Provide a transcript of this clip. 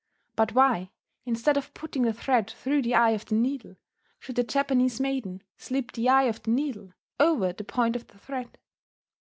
But why, instead of putting the thread through the eye of the needle, should the Japanese maiden slip the eye of the needle over the point of the thread?